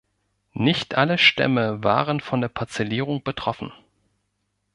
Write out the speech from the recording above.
Nicht alle Stämme waren von der Parzellierung betroffen.